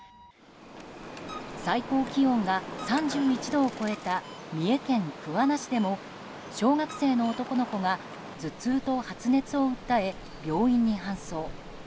最高気温が３１度を超えた三重県桑名市でも小学生の男の子が頭痛と発熱を訴え病院に搬送。